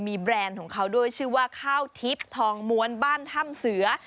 มีแบรนด์ของเขาด้วยชื่อว่าข้าวทิพย์ทองม้วนบ้านถ้ำเสือ